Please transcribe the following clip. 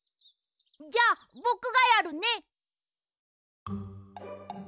じゃあぼくがやるね！